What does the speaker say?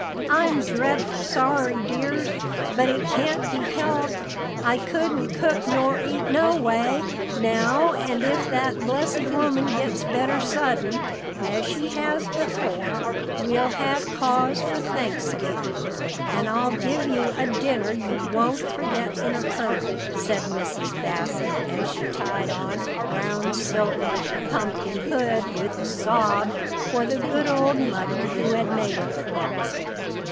"I'm dreadful sorry, dears, but it can't be helped. I couldn't cook nor eat no way, now, and if that blessed woman gets better sudden, as she has before, we'll have cause for thanksgivin', and I'll give you a dinner you won't forget in a hurry," said Mrs. Bassett, as she tied on her brown silk pumpkin hood, with a sob for the good old mother who had made it for her.